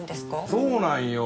そうなんよ。